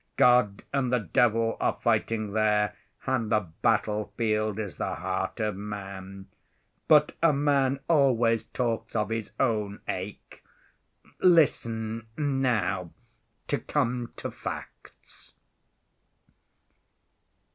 God and the devil are fighting there and the battlefield is the heart of man. But a man always talks of his own ache. Listen, now to come to facts."